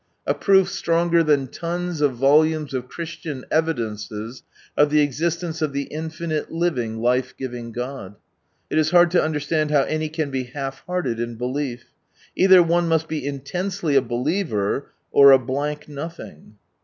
A proof stronger than Ions of volumes of Christian evidences of the existence of the infinite living life giving God. It is hard to understand how any can be half hearted in belief. Either one must be intensely a believer, or — a blank r •ihing.